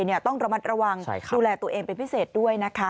ต้องระมัดระวังดูแลตัวเองเป็นพิเศษด้วยนะคะ